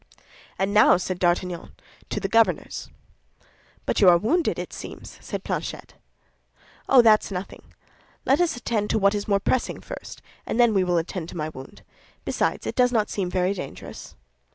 "And now," said D'Artagnan, "to the Governor's." "But you are wounded, it seems," said Planchet. "Oh, that's nothing! Let us attend to what is more pressing first, and then we will attend to my wound; besides, it does not seem very dangerous."